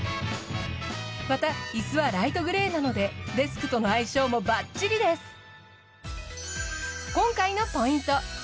また椅子はライトグレーなのでデスクとの相性もバッチリです。